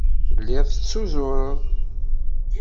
Telliḍ tettuzureḍ.